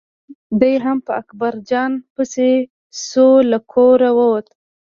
دی هم په اکبر جان پسې شو له کوره ووت.